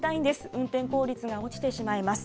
運転効率が落ちてしまいます。